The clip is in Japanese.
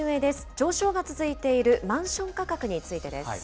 上昇が続いているマンション価格についてです。